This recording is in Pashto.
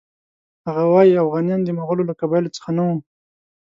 هغه وایي اوغانیان د مغولو له قبایلو څخه نه وو.